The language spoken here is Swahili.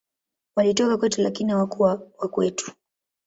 Walitoka kwetu, lakini hawakuwa wa kwetu.